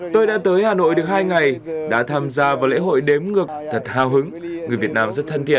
tôi đã tới hà nội được hai ngày đã tham gia vào lễ hội đếm ngược thật hào hứng người việt nam rất thân thiện